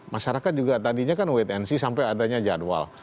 masyarakat juga tadinya kan wait and see sampai adanya jadwal